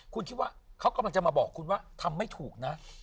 คุณคิดว่าเขากำลังจะมาบอกคุณว่าทำไม่ถูกนะ